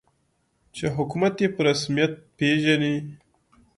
چې حکومت یې په رسمیت پېژني.